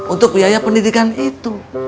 untuk biaya pendidikan itu